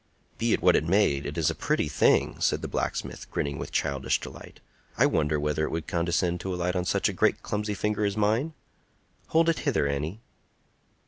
"Be it what it may, it is a pretty plaything," said the blacksmith, grinning with childlike delight. "I wonder whether it would condescend to alight on such a great clumsy finger as mine? Hold it hither, Annie."